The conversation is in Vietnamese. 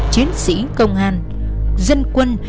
chiến sĩ công an dân quân